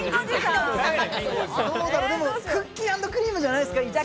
でもクッキー＆クリームじゃないですか？